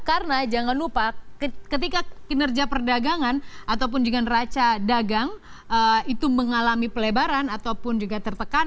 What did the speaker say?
karena jangan lupa ketika kinerja perdagangan ataupun dengan raca dagang itu mengalami pelebaran ataupun juga tertekan